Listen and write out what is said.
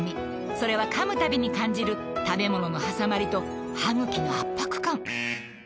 それは噛むたびに感じる食べ物のはさまりと歯ぐきの圧迫感ビーッビーッ